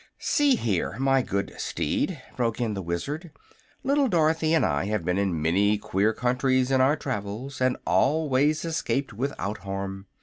"See here, my good steed," broke in the Wizard, "little Dorothy and I have been in many queer countries in our travels, and always escaped without harm.